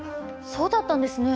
そうだったんですね。